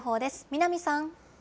南さん。